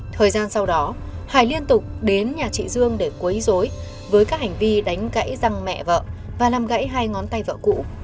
thời gian sau đó hải liên tục đến nhà chị dương để quấy dối với các hành vi đánh gãy răng mẹ vợ và làm gãy hai ngón tay vợ cũ